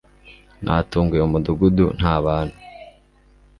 natunguwe, mu mudugudu nta bantu